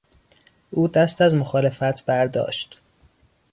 او دست از مخالفت برداشت.